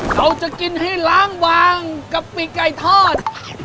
เราจะกินให้ล้างบางกะปิกไก่ทอด